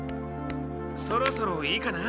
そろそろいいかな。